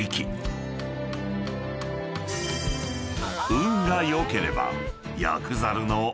［運が良ければ］